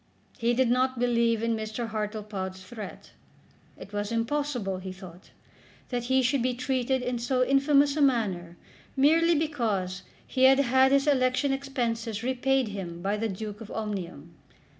He did not believe in Mr. Hartlepod's threat. It was impossible, he thought, that he should be treated in so infamous a manner merely because he had had his election expenses repaid him by the Duke of Omnium!